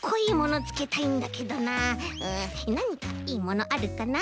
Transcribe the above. うんなにかいいものあるかな。